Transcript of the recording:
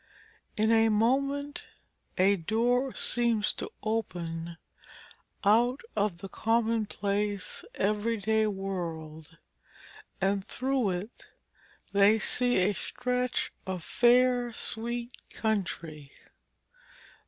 In a moment a door seems to open out of the commonplace everyday world, and through it they see a stretch of fair sweet country.